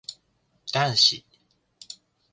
男子